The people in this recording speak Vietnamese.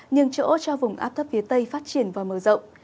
nhưng chỗ cho vùng áp thấp phía tây phát triển và mở rộng